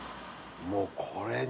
もうこれに。